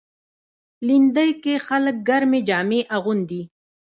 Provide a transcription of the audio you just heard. لېندۍ کې خلک ګرمې جامې اغوندي.